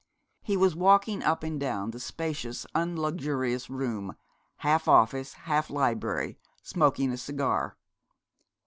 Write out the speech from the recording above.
He was walking up and down the spacious unluxurious room, half office, half library, smoking a cigar.